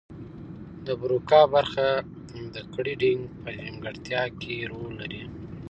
د بروکا برخه د ګړیدنګ په نیمګړتیا کې رول لري